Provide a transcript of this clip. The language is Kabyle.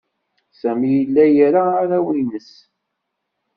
Sami yella ira arraw-nnes.